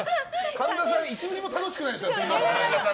神田さん１ミリも楽しくないでしょ。